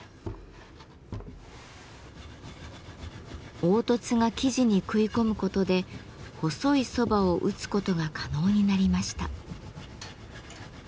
凹凸が生地に食い込むことで細い蕎麦を打つことが可能になりました。